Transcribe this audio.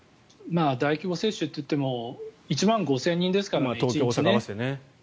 大規模接種といっても１万５０００人ですから１日ね。